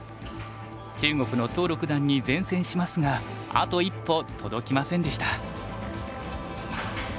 中国の屠六段に善戦しますがあと一歩届きませんでした。